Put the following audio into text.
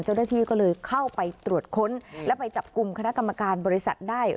เจ้าหน้าที่ก็เลยเข้าไปตรวจค้นและไปจับกลุ่มคณะกรรมการบริษัทได้